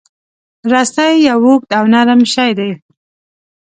رسۍ یو اوږد او نرم شی دی.